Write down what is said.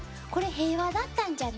平和だったんじゃね。